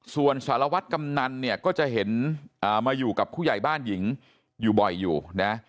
ส่วนสารวัตรกำนันเนี่ยก็จะเห็นมาอยู่กับผู้ใหญ่บ้านหญิงอยู่บ่อยอยู่นะ